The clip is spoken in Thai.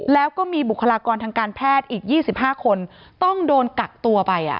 แล้วก็มีบุคลากรทางการแพทย์อีก๒๕คนต้องโดนกักตัวไป